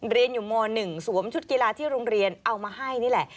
เรียนอยู่ม๑สวมชุดกีฬาที่โรงเรียนเอามาให้นี่แหละ